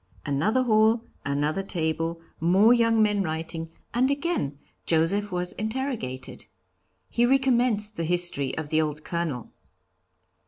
Another hall, another table, more young men writing, and again Joseph was interrogated. He recommenced the history of the old Colonel.